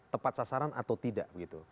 tepat sasaran atau tidak begitu